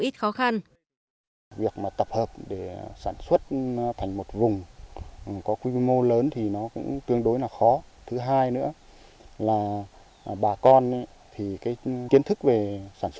tham gia trồng cam